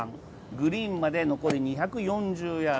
グリーンまで残り２４０ヤード。